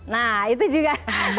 nah itu juga